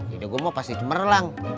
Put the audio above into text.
hidup gue mau pasti cemerlang